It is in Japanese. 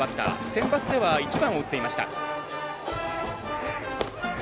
センバツでは１番を打っていました。